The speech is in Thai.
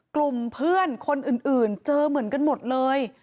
กลุ่มเพื่อนคนอื่นเจอเหมือนกันหมดเลย